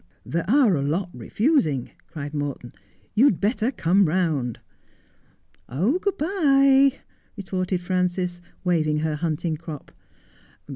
' There are a lot refusing,' cried Morton ;' you'd better come round.' ' Good bye,' retorted Frances, waving her hunting crop.